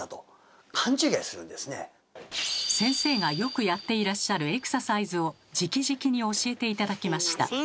先生がよくやっていらっしゃるエクササイズをじきじきに教えて頂きました。